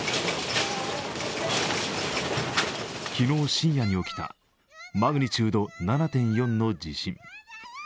昨日深夜に起きたマグニチュード７．４の地震。